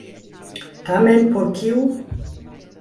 Tamen por kiu?